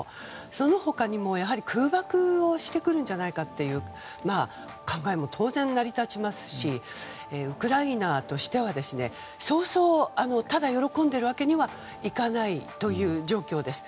その他にも空爆をしてくるんじゃないかという考えも当然、成り立ちますしウクライナとしてはそうそうただ喜んでいるわけにはいかない状況です。